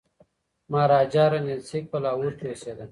مهاراجا رنجیت سنګ په لاهور کي اوسېده.